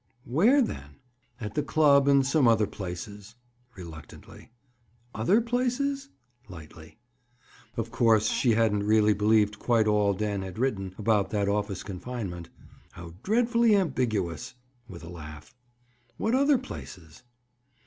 "Where, then?" "At the club and some other places." Reluctantly. "Other places?" Lightly. Of course she hadn't really believed quite all Dan had written about that office confinement. "How dreadfully ambiguous!" With a laugh. "What other places?"